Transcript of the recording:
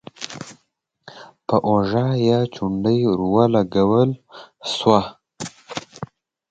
په اوږه يې چونډۍ ور ولګول شوه: